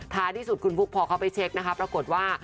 ที่สุดคุณบุ๊คพอเขาไปเช็คนะคะปรากฏว่า